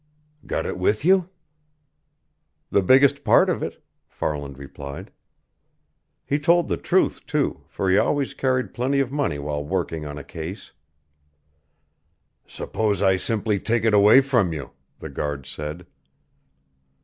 "Got it with you?" "The biggest part of it," Farland replied. He told the truth, too, for he always carried plenty of money while working on a case. "Suppose I simply take it away from you," the guard said.